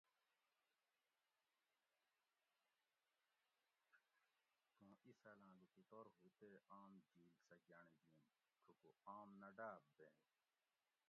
تھوں اِسالاۤں لوکوٹور ہُو تے آم جِھل سہ گۤھنڑ جین تھوکو آم نہ ڈاۤب ویں